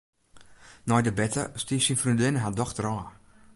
Nei de berte stie syn freondinne har dochter ôf.